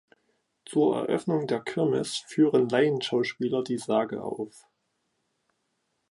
Zur Eröffnung der Kirmes führen Laienschauspieler die Sage auf.